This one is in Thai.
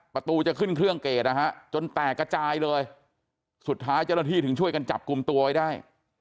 ประตูจะขึ้นเครื่องเกรดนะฮะจนแตกกระจายเลยสุดท้ายเจ้าหน้าที่ถึงช่วยกันจับกลุ่มตัวไว้ได้